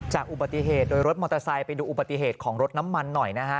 อุบัติเหตุโดยรถมอเตอร์ไซค์ไปดูอุบัติเหตุของรถน้ำมันหน่อยนะฮะ